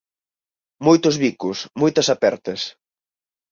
Moitos bicos, moitas apertas